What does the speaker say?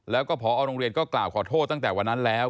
แล้วก็พอโรงเรียนก็กล่าวขอโทษตั้งแต่วันนั้นแล้ว